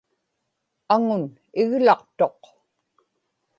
aŋun iglaqtuq